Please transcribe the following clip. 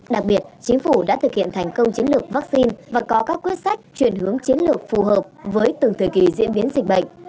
đặc biệt chính phủ đã thực hiện thành công chiến lược vaccine và có các quyết sách chuyển hướng chiến lược phù hợp với từng thời kỳ diễn biến dịch bệnh